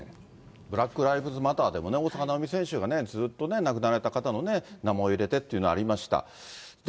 ブラック・ライブズ・マターでも、大坂なおみ選手がね、ずっと亡くなられた方の名前を入れてっていうのがありました。